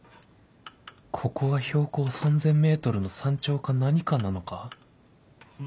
ここは標高 ３０００ｍ の山頂か何かなのか？